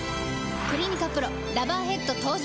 「クリニカＰＲＯラバーヘッド」登場！